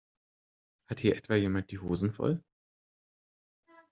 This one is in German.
Hat hier etwa jemand die Hosen voll?